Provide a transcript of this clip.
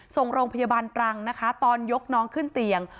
ส่งโรงพยาบาลตรังนะคะตอนยกน้องขึ้นเตียง